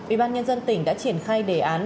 ủy ban nhân dân tỉnh đã triển khai đề án